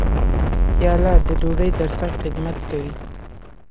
پیاله د ډوډۍ ترڅنګ خدمت کوي.